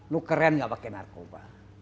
lu keren nggak pakai narkoba